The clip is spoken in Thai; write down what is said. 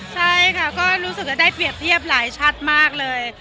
ใช่ค่ะก็รู้สึกว่าได้เปรียบเทียบหลายชัดมากเลย